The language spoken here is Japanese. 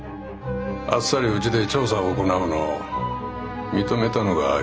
あっさりうちで調査を行うのを認めたのが気になるな。